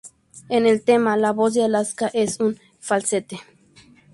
En el tema, la voz de Alaska es en falsete.